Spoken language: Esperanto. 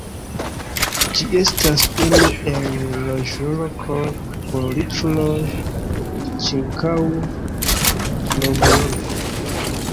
Ĝi estas unu el la loĝlokoj por riĉuloj ĉirkaŭ Novjorko.